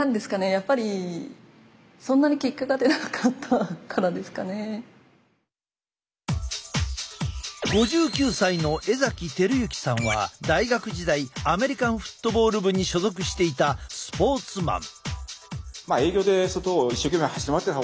やっぱり５９歳の江輝幸さんは大学時代アメリカンフットボール部に所属していたスポーツマン。